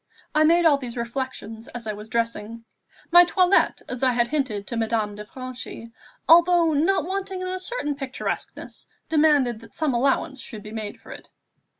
I made all these reflections as I was dressing. My toilette, as I had hinted to Madame de Franchi, although not wanting in a certain picturesqueness, demanded that some allowance should be made for it.